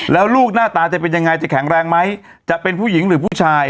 แล้วลูกหน้าตาจะเป็นยังไงจะแข็งแรงไหมจะเป็นผู้หญิงหรือผู้ชาย